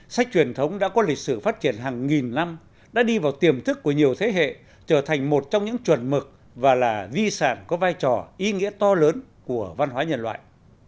sách truyền thống đã có lịch sử phát triển hàng nghìn năm đã đi vào tiềm thức của nhiều thế hệ trở thành một trong những chuẩn mực và là di sản có vai trò ý nghĩa to lớn của văn hóa nhân loại